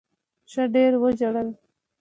ښه ډېر وژړل.